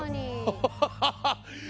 ハハハハハ！